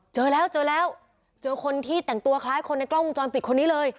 เจอแล้วเจอแล้วเจอคนที่แต่งตัวคล้ายคนในกล้องวงจรปิดคนนี้เลย